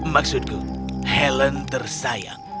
maksudku helen tersayang